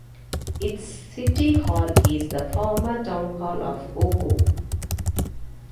Its city hall is the former town hall of Oku.